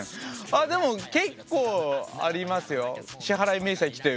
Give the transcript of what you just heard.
あでも結構ありますよ。